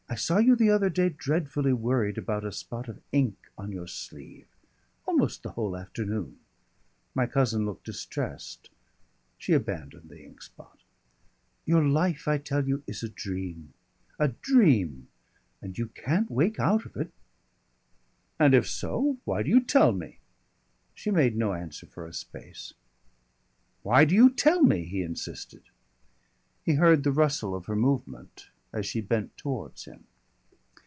I saw you the other day dreadfully worried by a spot of ink on your sleeve almost the whole afternoon." [Illustration: "Why not?"] My cousin looked distressed. She abandoned the ink spot. "Your life, I tell you, is a dream a dream, and you can't wake out of it " "And if so, why do you tell me?" She made no answer for a space. "Why do you tell me?" he insisted. He heard the rustle of her movement as she bent towards him.